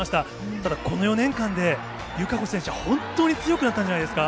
ただこの４年間で、友香子選手は本当に強くなったんじゃないですか。